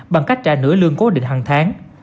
bằng cách trả nửa lương cố định hàng tháng